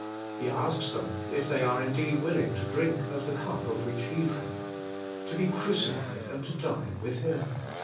He asks them if they are indeed willing to drink of the cup of which He drank — to be crucified and to die with Him.